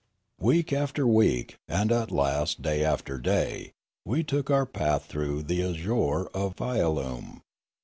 Week after week, and at last day after day, we took our path through the azure to Fialume.